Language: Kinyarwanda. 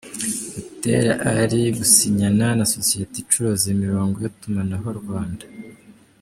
Butera Ari Gusinyana nasosiyete icuruza Imirongo yitumanaho Rwanda